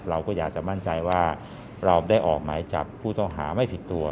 เราก็อยากจะมั่นใจว่าเราได้ออกหมายจับผู้ต้องหาไม่ผิดตัว